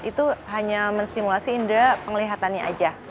itu hanya menstimulasi indek penglihatannya aja